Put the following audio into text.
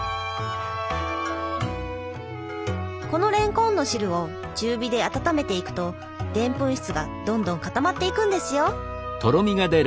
このれんこんの汁を中火で温めていくとでんぷん質がどんどん固まっていくんですよ。